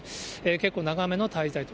結構長めの滞在と。